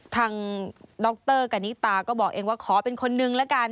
ดรกันนิตาก็บอกเองว่าขอเป็นคนนึงละกัน